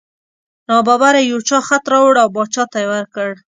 نا ببره یو چا خط راوړ او باچا ته یې ورکړ.